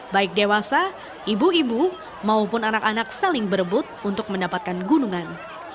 baik dewasa ibu ibu maupun anak anak saling berebut untuk mendapatkan gunungan